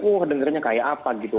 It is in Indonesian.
oh dengernya kayak apa gitu